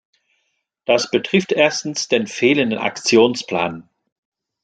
Das betrifft erstens den fehlenden Aktionsplan.